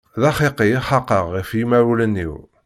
D axiqi i xaqeɣ ɣef yimawlan-iw.